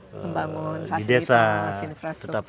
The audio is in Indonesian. pembangun fasilitas infrastruktur